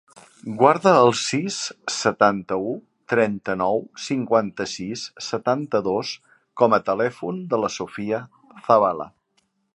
Guarda el sis, setanta-u, trenta-nou, cinquanta-sis, setanta-dos com a telèfon de la Sofía Zavala.